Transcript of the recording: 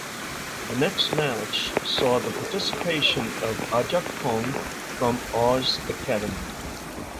The next match saw the participation of Aja Kong from Oz Academy.